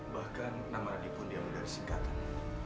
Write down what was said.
bahkan nama nadi pun diam dari singkatan